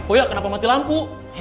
uy kenapa mati lampu